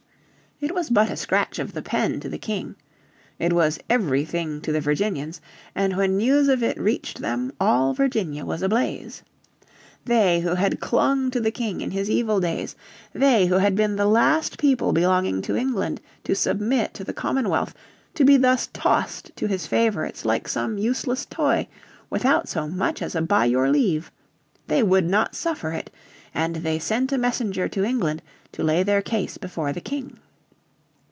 It was but a scratch of the pen to the King. It was everything to the Virginians, and when news of it reached them all Virginia was ablaze. They who had clung to the King in his evil days, they who had been the last people belonging to England to submit to the Commonwealth to be thus tossed to his favourites like some useless toy, without so much as a by your leave! They would not suffer it. And they sent a messenger to England to lay their case before the King.